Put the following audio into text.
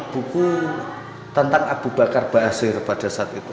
buku tentang abu bakar basir pada saat itu